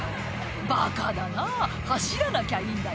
「バカだな走らなきゃいいんだよ」